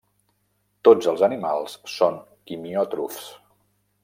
Tots els animals són quimiòtrofs.